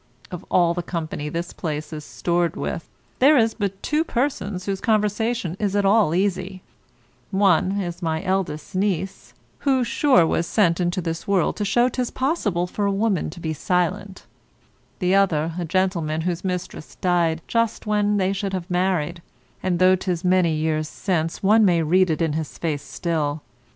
Of all the company this place is stored with, there is but two persons whose conversation is at all easy; one is my eldest niece, who, sure, was sent into the world to show 'tis possible for a woman to be silent; the other, a gentleman whose mistress died just when they should have married; and though 'tis many years since, one may read it in his face still.